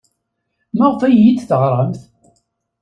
Maɣef ay iyi-d-teɣramt?